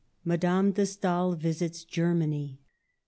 MADAME DE STAEL VISITS GERMANY.